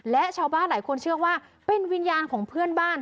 และชาวบ้านหลายคนเชื่อว่าเป็นวิญญาณของเพื่อนบ้าน